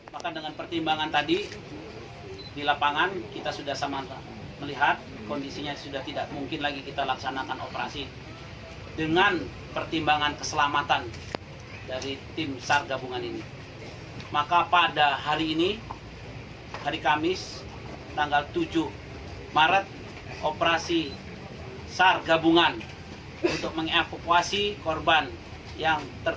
bersamaan dengan penghentian evakuasi ini di wilayah sekitar bencana suasana di wilayah sekitar bencana